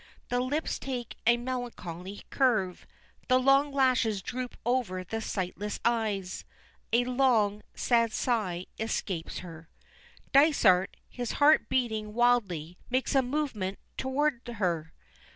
The lips take a melancholy curve: the long lashes droop over the sightless eyes, a long, sad sigh escapes her. Dysart, his heart beating wildly, makes a movement toward her.